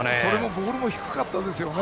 ボールも低かったですね。